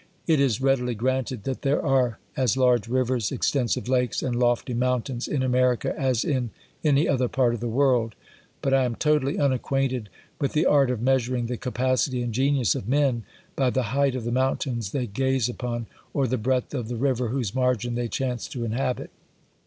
It is readily granted, that there are as large rivers, extensive lakes, and jolty mountains, in America, as in any other part of the world ; but I ata totally unacquainted with the art of measuring the capaaty and genius of men, by the height of the mountains they gaze upon, or the breadth of the river, whose margin they chance to inhabit.